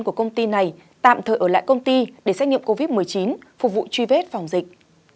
của công ty này tạm thời ở lại công ty để xét nghiệm covid một mươi chín phục vụ truy vết phòng dịch